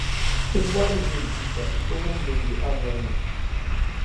ti boli nyin’ Peter nti wum din be a nol’ ni.